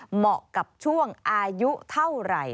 เหมาะกับช่วงอายุเท่าไหร่